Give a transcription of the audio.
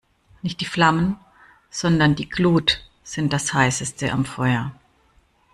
Nicht die Flammen, sondern die Glut sind das Heißeste am Feuer.